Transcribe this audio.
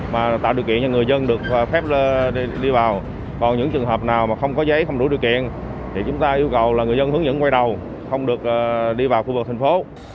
mà tạo điều kiện cho người dân được phép đi vào còn những trường hợp nào mà không có giấy không đủ điều kiện thì chúng ta yêu cầu là người dân hướng dẫn quay đầu không được đi vào khu vực thành phố